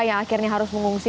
yang akhirnya harus mengungsi